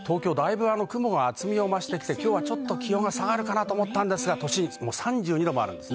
東京、だいぶ雲が厚みを増してきて今日は気温が下がるかなと思ったんですが、都心３２度もあります。